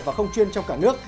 và không chuyên trong cả nước